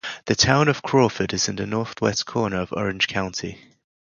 The Town of Crawford is in the northwest corner of Orange County.